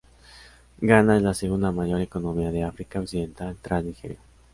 Ghana es la segunda mayor economía de África occidental tras Nigeria.